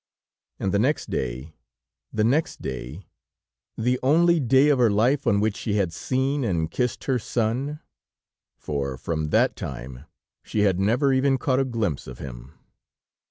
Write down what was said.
And the next day! the next day! the only day of her life on which she had seen and kissed her son, for from that time, she had never even caught a glimpse of him.